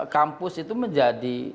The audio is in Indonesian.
kampus itu menjadi